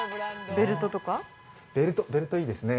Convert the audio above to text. ベルトいいですね